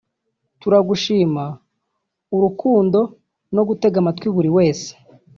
Turagushima urukundo no gutega amatwi buri wese